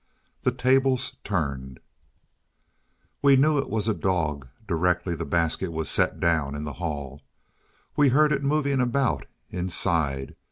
The Tables Turned WE knew it was a dog, directly the basket was set down in the hall. We heard it moving about inside.